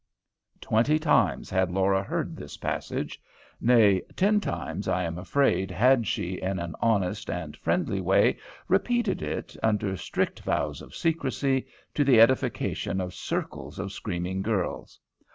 Twenty times had Laura heard this passage, nay, ten times, I am afraid, had she, in an honest and friendly way, repeated it, under strict vows of secrecy, to the edification of circles of screaming girls.